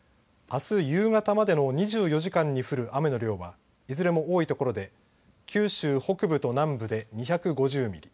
あす夕方までの２４時間に降る雨の量はいずれも多い所で九州北部と南部で２５０ミリ